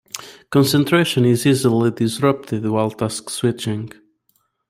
Concentration is easily disrupted while task switching.